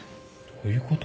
どういうこと？